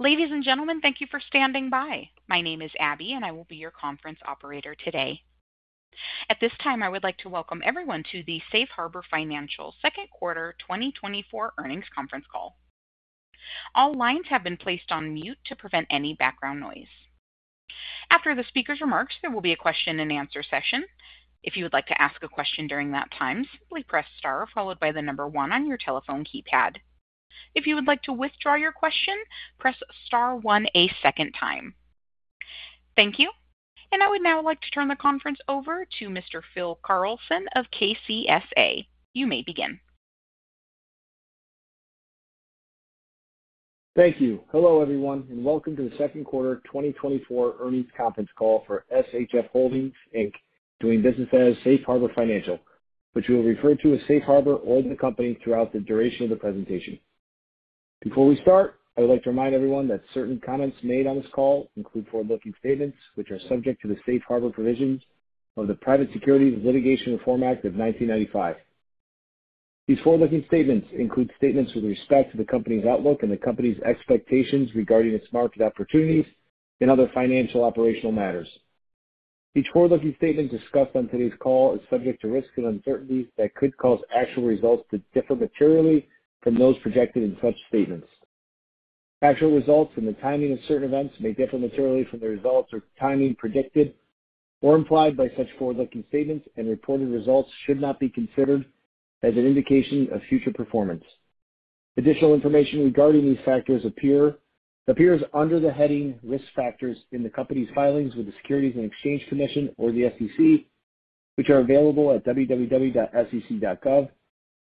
Ladies and gentlemen, thank you for standing by. My name is Abby, and I will be your conference operator today. At this time, I would like to welcome everyone to the Safe Harbor Financial Second Quarter 2024 Earnings Conference Call. All lines have been placed on mute to prevent any background noise. After the speaker's remarks, there will be a question-and-answer session. If you would like to ask a question during that time, simply press star followed by the number one on your telephone keypad. If you would like to withdraw your question, press star one a second time. Thank you, and I would now like to turn the conference over to Mr. Phil Carlson of KCSA. You may begin. Thank you. Hello, everyone, and welcome to the second quarter 2024 earnings conference call for SHF Holdings, Inc., doing business as Safe Harbor Financial, which we will refer to as Safe Harbor or the company throughout the duration of the presentation. Before we start, I would like to remind everyone that certain comments made on this call include forward-looking statements, which are subject to the Safe Harbor provisions of the Private Securities Litigation Reform Act of 1995. These forward-looking statements include statements with respect to the company's outlook and the company's expectations regarding its market opportunities and other financial operational matters. Each forward-looking statement discussed on today's call is subject to risks and uncertainties that could cause actual results to differ materially from those projected in such statements. Actual results and the timing of certain events may differ materially from the results or timing predicted or implied by such forward-looking statements, and reported results should not be considered as an indication of future performance. Additional information regarding these factors appears under the heading Risk Factors in the company's filings with the Securities and Exchange Commission, or the SEC, which are available at www.sec.gov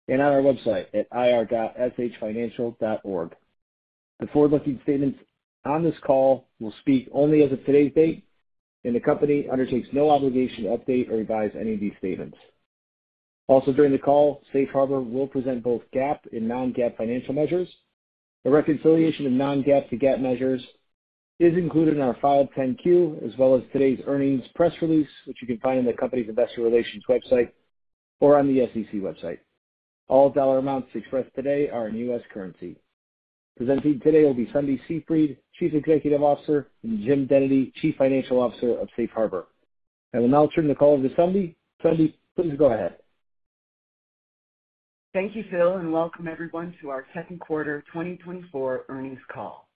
and on our website at ir.shfinancial.org. The forward-looking statements on this call will speak only as of today's date, and the company undertakes no obligation to update or revise any of these statements. Also, during the call, Safe Harbor will present both GAAP and non-GAAP financial measures. The reconciliation of non-GAAP to GAAP measures is included in our Form 10-Q, as well as today's earnings press release, which you can find on the company's investor relations website or on the SEC website. All dollar amounts expressed today are in U.S. currency. Presenting today will be Sundie Seefried, Chief Executive Officer, and Jim Dennedy, Chief Financial Officer of Safe Harbor. I will now turn the call to Sundie. Sundie, please go ahead. Thank you, Phil, and welcome everyone to our Second Quarter 2024 Earnings Call.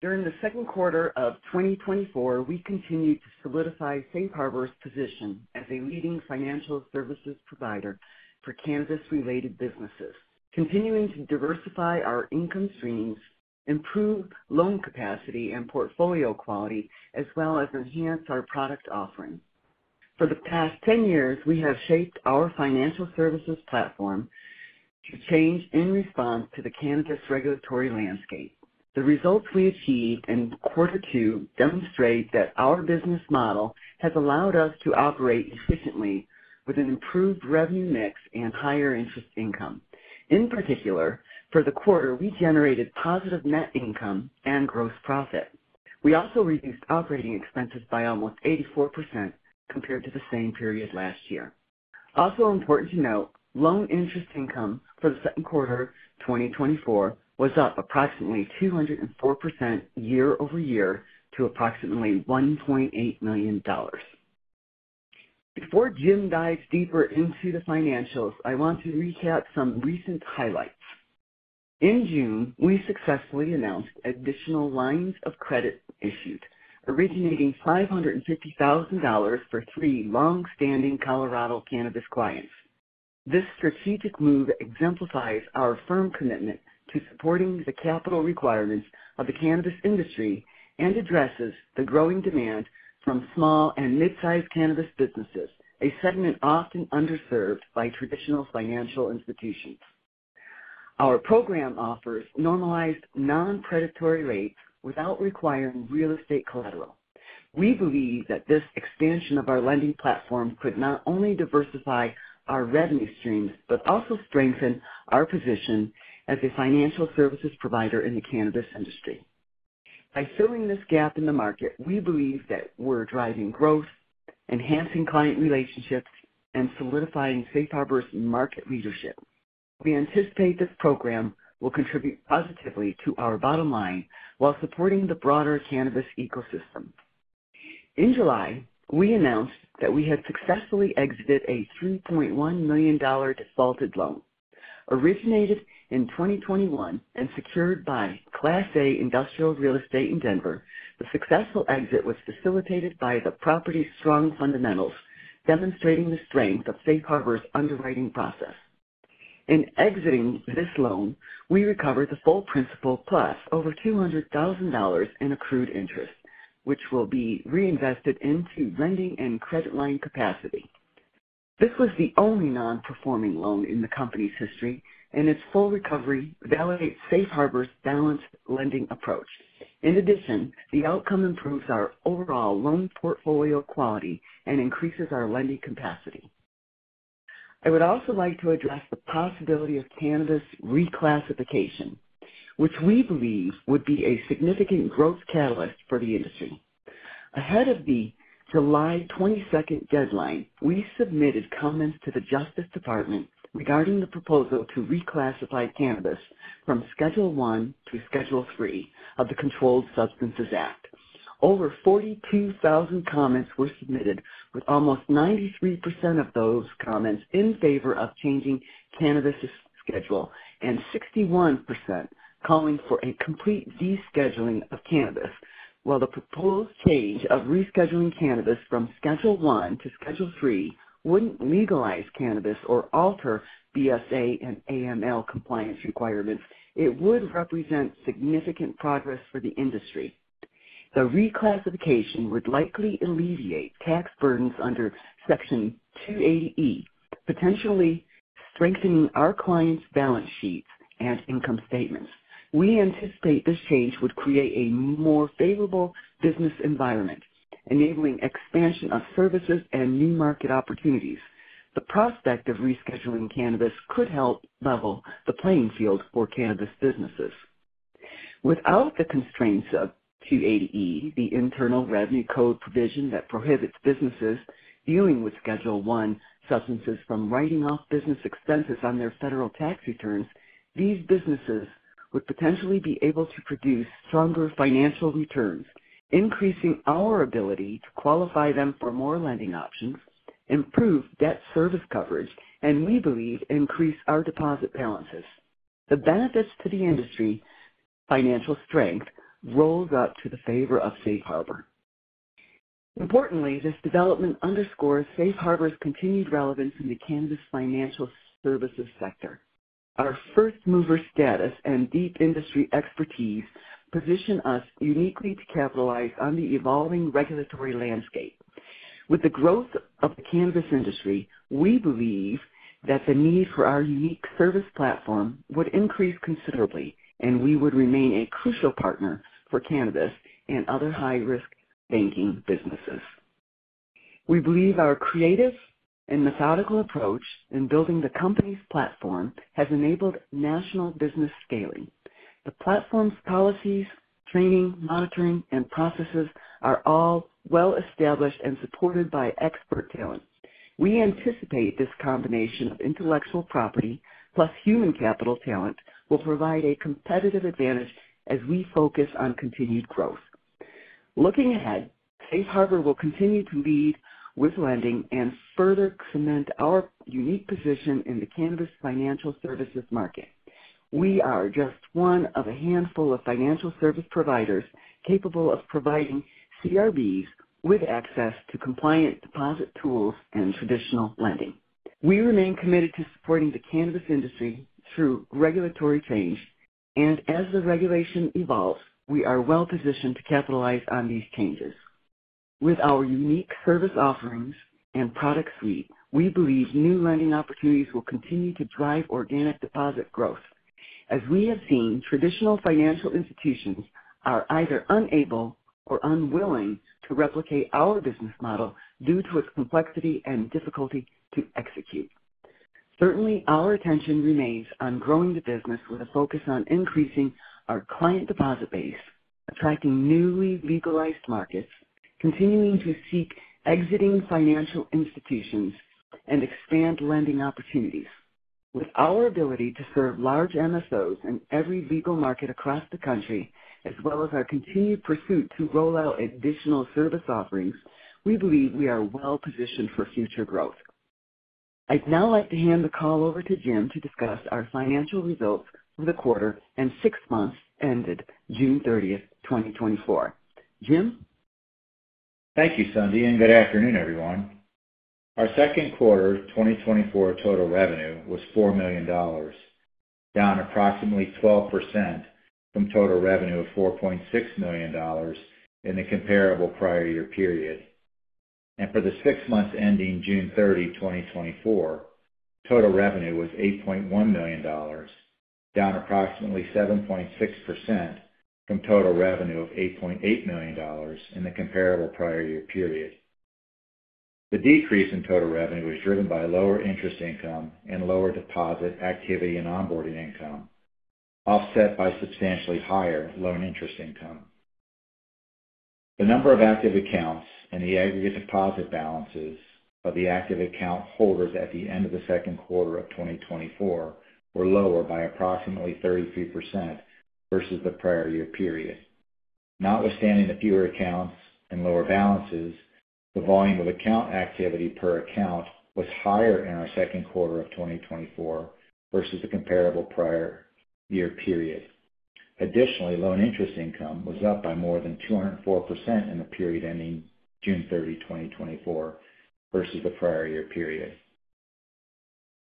During the second quarter of 2024, we continued to solidify Safe Harbor's position as a leading financial services provider for cannabis-related businesses, continuing to diversify our income streams, improve loan capacity and portfolio quality, as well as enhance our product offerings. For the past 10 years, we have shaped our financial services platform to change in response to the cannabis regulatory landscape. The results we achieved in quarter two demonstrate that our business model has allowed us to operate efficiently with an improved revenue mix and higher interest income. In particular, for the quarter, we generated positive net income and gross profit. We also reduced operating expenses by almost 84% compared to the same period last year. Also important to note, loan interest income for the second quarter 2024 was up approximately 204% year over year to approximately $1.8 million. Before Jim dives deeper into the financials, I want to recap some recent highlights. In June, we successfully announced additional lines of credit issued, originating $550,000 for three long-standing Colorado cannabis clients. This strategic move exemplifies our firm commitment to supporting the capital requirements of the cannabis industry and addresses the growing demand from small and mid-sized cannabis businesses, a segment often underserved by traditional financial institutions. Our program offers normalized, non-predatory rates without requiring real estate collateral. We believe that this expansion of our lending platform could not only diversify our revenue streams, but also strengthen our position as a financial services provider in the cannabis industry. By filling this gap in the market, we believe that we're driving growth, enhancing client relationships, and solidifying Safe Harbor's market leadership. We anticipate this program will contribute positively to our bottom line while supporting the broader cannabis ecosystem. In July, we announced that we had successfully exited a $3.1 million defaulted loan. Originated in 2021 and secured by Class A industrial real estate in Denver, the successful exit was facilitated by the property's strong fundamentals, demonstrating the strength of Safe Harbor's underwriting process. In exiting this loan, we recovered the full principal plus over $200,000 in accrued interest, which will be reinvested into lending and credit line capacity. This was the only non-performing loan in the company's history, and its full recovery validates Safe Harbor's balanced lending approach. In addition, the outcome improves our overall loan portfolio quality and increases our lending capacity. I would also like to address the possibility of cannabis reclassification, which we believe would be a significant growth catalyst for the industry. Ahead of the July 22nd deadline, we submitted comments to the Justice Department regarding the proposal to reclassify cannabis from Schedule I to Schedule III of the Controlled Substances Act. Over 42,000 comments were submitted, with almost 93% of those comments in favor of changing cannabis' schedule, and 61% calling for a complete descheduling of cannabis. While the proposed change of rescheduling cannabis from Schedule I to Schedule III wouldn't legalize cannabis or alter BSA and AML compliance requirements, it would represent significant progress for the industry. The reclassification would likely alleviate tax burdens under Section 280E, potentially strengthening our clients' balance sheets and income statements. We anticipate this change would create a more favorable business environment, enabling expansion of services and new market opportunities. The prospect of rescheduling cannabis could help level the playing field for cannabis businesses. Without the constraints of 280E, the Internal Revenue Code provision that prohibits businesses dealing with Schedule I substances from writing off business expenses on their federal tax returns, these businesses would potentially be able to produce stronger financial returns, increasing our ability to qualify them for more lending options, improve debt service coverage, and we believe increase our deposit balances. The benefits to the industry financial strength rolls up to the favor of Safe Harbor. Importantly, this development underscores Safe Harbor's continued relevance in the cannabis financial services sector. Our first-mover status and deep industry expertise position us uniquely to capitalize on the evolving regulatory landscape. With the growth of the cannabis industry, we believe that the need for our unique service platform would increase considerably, and we would remain a crucial partner for cannabis and other high-risk banking businesses. We believe our creative and methodical approach in building the company's platform has enabled national business scaling. The platform's policies, training, monitoring, and processes are all well established and supported by expert talent. We anticipate this combination of intellectual property plus human capital talent will provide a competitive advantage as we focus on continued growth. Looking ahead, Safe Harbor will continue to lead with lending and further cement our unique position in the cannabis financial services market. We are just one of a handful of financial service providers capable of providing CRBs with access to compliant deposit tools and traditional lending. We remain committed to supporting the cannabis industry through regulatory change, and as the regulation evolves, we are well positioned to capitalize on these changes. With our unique service offerings and product suite, we believe new lending opportunities will continue to drive organic deposit growth. As we have seen, traditional financial institutions are either unable or unwilling to replicate our business model due to its complexity and difficulty to execute. Certainly, our attention remains on growing the business with a focus on increasing our client deposit base, attracting newly legalized markets, continuing to seek existing financial institutions, and expand lending opportunities. With our ability to serve large MSOs in every legal market across the country, as well as our continued pursuit to roll out additional service offerings, we believe we are well positioned for future growth. I'd now like to hand the call over to Jim to discuss our financial results for the quarter and six months ended June 30th, 2024. Jim? Thank you, Sundie, and good afternoon, everyone. Our second quarter 2024 total revenue was $4 million, down approximately 12% from total revenue of $4.6 million in the comparable prior year period. For the six months ending June 30, 2024, total revenue was $8.1 million, down approximately 7.6% from total revenue of $8.8 million in the comparable prior year period. The decrease in total revenue was driven by lower interest income and lower deposit activity and onboarding income, offset by substantially higher loan interest income. The number of active accounts and the aggregate deposit balances of the active account holders at the end of the second quarter of 2024 were lower by approximately 33% versus the prior year period. Notwithstanding the fewer accounts and lower balances, the volume of account activity per account was higher in our second quarter of 2024 versus the comparable prior year period. Additionally, loan interest income was up by more than 204% in the period ending June 30, 2024, versus the prior year period.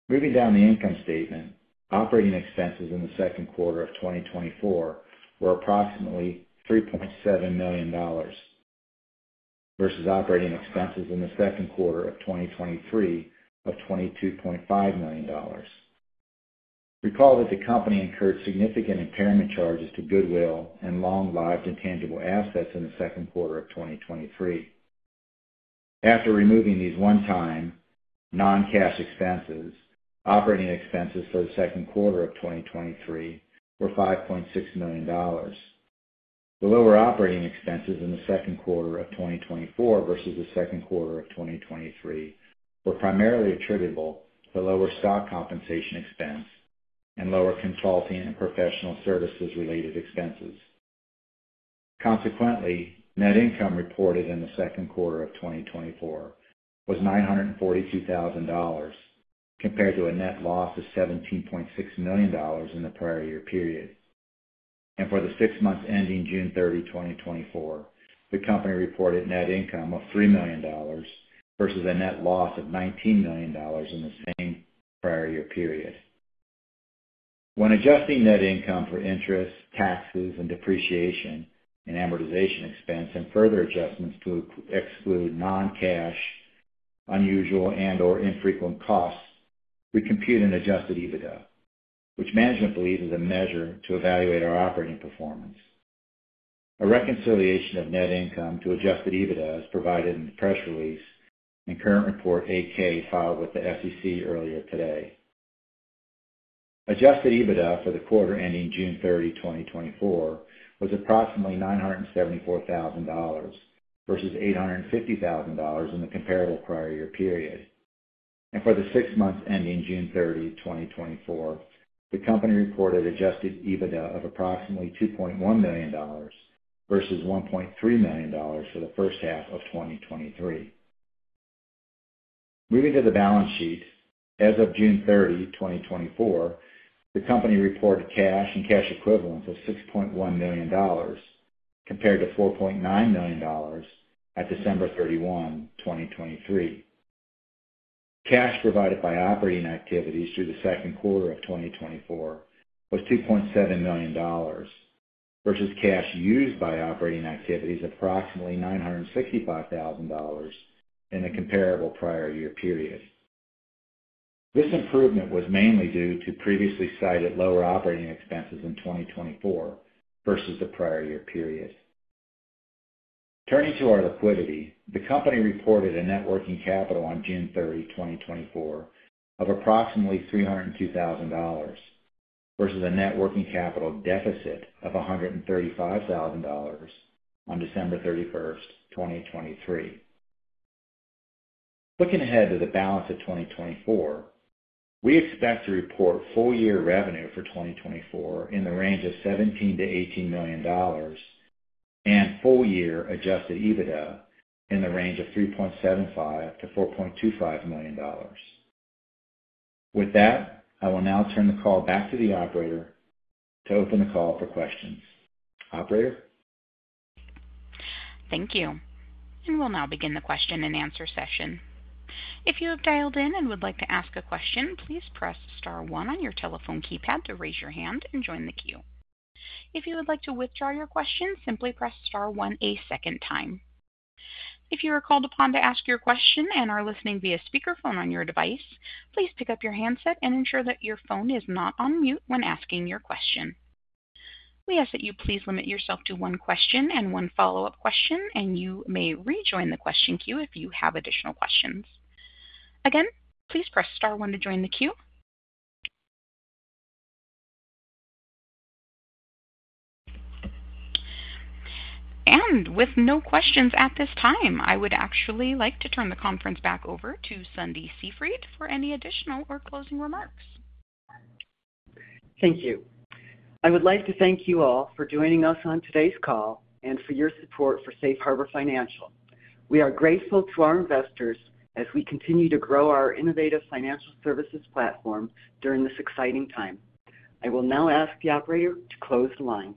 Moving down the income statement, operating expenses in the second quarter of 2024 were approximately $3.7 million versus operating expenses in the second quarter of 2023 of $22.5 million. Recall that the company incurred significant impairment charges to goodwill and long-lived intangible assets in the second quarter of 2023. After removing these one-time non-cash expenses, operating expenses for the second quarter of 2023 were $5.6 million. The lower operating expenses in the second quarter of 2024 versus the second quarter of 2023 were primarily attributable to lower stock compensation expense and lower consulting and professional services related expenses. Consequently, net income reported in the second quarter of 2024 was $942,000, compared to a net loss of $17.6 million in the prior year period. For the six months ending June 30, 2024, the company reported net income of $3 million versus a net loss of $19 million in the same prior year period. When adjusting net income for interest, taxes, and depreciation and amortization expense, and further adjustments to exclude non-cash, unusual, and/or infrequent costs, we compute an adjusted EBITDA, which management believes is a measure to evaluate our operating performance. A reconciliation of net income to Adjusted EBITDA is provided in the press release and Form 8-K filed with the SEC earlier today. Adjusted EBITDA for the quarter ending June 30, 2024, was approximately $974,000 versus $850,000 in the comparable prior year period. For the six months ending June 30, 2024, the company reported Adjusted EBITDA of approximately $2.1 million versus $1.3 million for the first half of 2023. Moving to the balance sheet. As of June 30, 2024, the company reported cash and cash equivalents of $6.1 million, compared to $4.9 million at December 31, 2023. Cash provided by operating activities through the second quarter of 2024 was $2.7 million, versus cash used by operating activities approximately $965,000 in the comparable prior year period. This improvement was mainly due to previously cited lower operating expenses in 2024 versus the prior year period. Turning to our liquidity, the company reported a net working capital on June 30, 2024, of approximately $302,000, versus a net working capital deficit of $135,000 on December 31, 2023. Looking ahead to the balance of 2024, we expect to report full-year revenue for 2024 in the range of $17-$18 million and full-year Adjusted EBITDA in the range of $3.75-$4.25 million. With that, I will now turn the call back to the operator to open the call for questions. Operator? Thank you. We will now begin the question-and-answer session. If you have dialed in and would like to ask a question, please press star one on your telephone keypad to raise your hand and join the queue. If you would like to withdraw your question, simply press star one a second time. If you are called upon to ask your question and are listening via speakerphone on your device, please pick up your handset and ensure that your phone is not on mute when asking your question. We ask that you please limit yourself to one question and one follow-up question, and you may rejoin the question queue if you have additional questions. Again, please press star one to join the queue. With no questions at this time, I would actually like to turn the conference back over to Sundie Seefried for any additional or closing remarks. Thank you. I would like to thank you all for joining us on today's call and for your support for Safe Harbor Financial. We are grateful to our investors as we continue to grow our innovative financial services platform during this exciting time. I will now ask the operator to close the line.